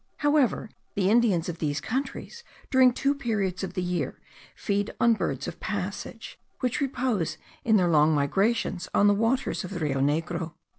However, the Indians of these countries, during two periods of the year, feed on birds of passage, which repose in their long migrations on the waters of the Rio Negro.